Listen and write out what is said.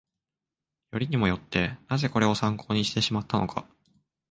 よりにもよって、なぜこれを参考にしてしまったのか